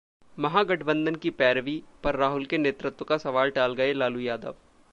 महागठबंधन की पैरवी, पर राहुल के नेतृत्व का सवाल टाल गए लालू यादव